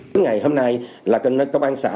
từ ngày hôm nay là công an xã